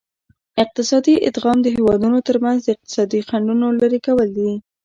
اقتصادي ادغام د هیوادونو ترمنځ د اقتصادي خنډونو لرې کول دي